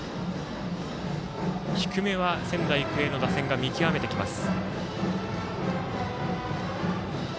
低めは仙台育英の打線が見極めてきます。